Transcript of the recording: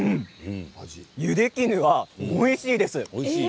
ゆでキヌアおいしいです。